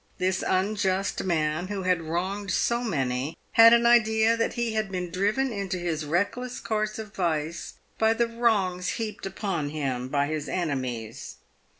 This unjust man, who had wronged so many, had an idea that he had been driven into his reckless course of vice by the wrongs heaped upon him by his enemies.